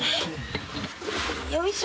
よいしょ。